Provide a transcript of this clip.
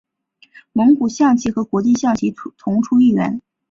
蒙古象棋和国际象棋同出一源。